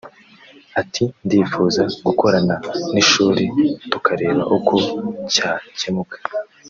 Ati “Ndifuza gukorana n’ishuri tukareba uko cyakemuka